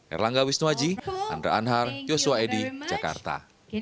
erlangga wisnuaji andra anhar yosua edy jakarta